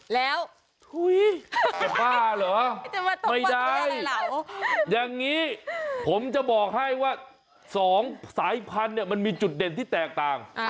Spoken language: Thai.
แล้วจะบ้าเหรอไม่ได้อย่างนี้ผมจะบอกให้ว่า๒สายพันธุ์เนี่ยมันมีจุดเด่นที่แตกต่าง